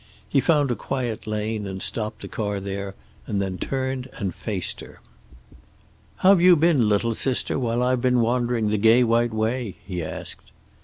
He found a quiet lane and stopped the car there, and then turned and faced her. "How've you been, little sister, while I've been wandering the gay white way?" he asked.